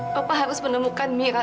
bapak harus menemukan mira